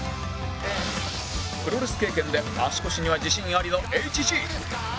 プロレス経験で足腰には自信ありの ＨＧ